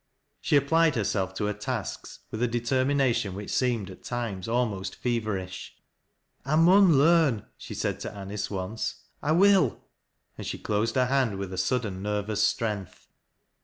She applied herself to her tasks with a determination which seemed at times almost fever iBh. " I. mun learn," she said to Anice once. " I loill" and ehe closed her hand with a sudden nervous strength.